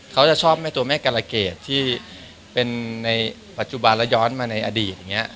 เขาจะชอบแม่ตัวแม่กรเกตที่เป็นในปัจจุบันแล้วย้อนมาในอดีตอย่างนี้